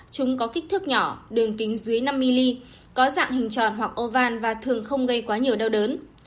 chúng có kích thước nhỏ đường kính dưới năm mm có dạng hình tròn hoặc oval và thường không gây quá nhiều đau đớn